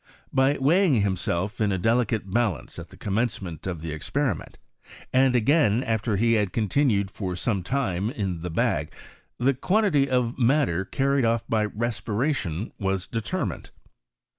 By weigh ing himself in a delicate balance at the c PH0GRES3 or CHEMISTRY I!T FRANCE. 139 mt of the experiment, and again after he had ' continued for some time in the bag, the quantity of matter carried off by respiration was determined.